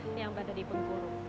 dan yang berada di punggul